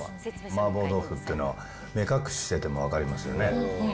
麻婆豆腐っていうのは目隠ししてても分かりますよね。